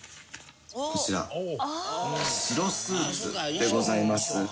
こちら白スーツでございます。